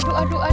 aduh aduh aduh